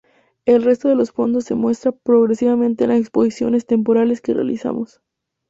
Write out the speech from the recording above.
El resto de los fondos se muestra progresivamente en las exposiciones temporales que realizamos.